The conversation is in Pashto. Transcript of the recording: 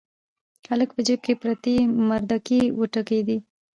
هلک په جيب کې پرتې مردکۍ وټکېدې.